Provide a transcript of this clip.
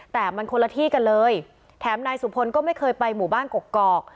แต่มันคนละที่กันเลยแถมนายสุพลก็ไม่เคยไปหมู่บ้านกกอก